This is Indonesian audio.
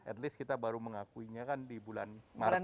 at least kita baru mengakuinya kan di bulan maret